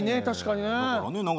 確かにね。